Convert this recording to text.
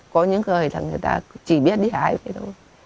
có những người là người ta chỉ biết đi hái vậy thôi